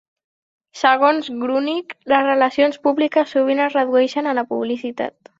Segons Grunig, les relacions públiques sovint es redueixen a la publicitat.